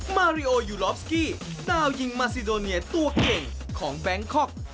มาริโอยูลอฟสกี้ดาวยิงมาซิโดเนียตัวเก่งของแบงคอก